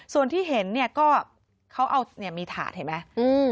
ส่วนที่เห็นเนี่ยก็เขาเอาเนี่ยมีถาดเห็นไหม